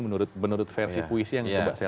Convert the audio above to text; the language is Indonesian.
menurut versi puisi yang coba saya